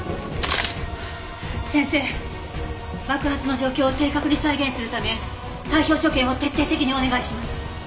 先生爆発の状況を正確に再現するため体表所見を徹底的にお願いします。